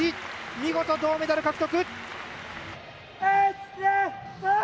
見事、銅メダル獲得。